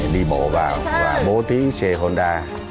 đi bộ vào và bố tí xe honda